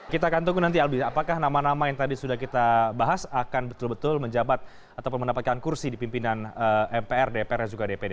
kita akan tunggu nanti albi apakah nama nama yang tadi sudah kita bahas akan betul betul menjabat ataupun mendapatkan kursi di pimpinan mpr dpr dan juga dpd